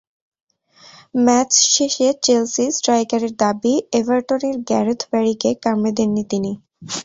Match শেষে Chelsea স্ট্রাইকারের দাবি, এভারটনের গ্যারেথ ব্যারিকে কামড়ে দেননি তিনি।